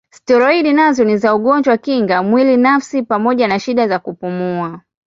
Steroidi nazo ni za ugonjwa kinga mwili nafsi pamoja na shida za kupumua.